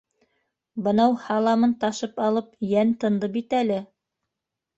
Бынау һаламын ташып алып йән тынды бит әле.